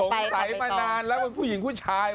สงสัยมานานแล้วบอกว่าผู้หญิงผู้ชาย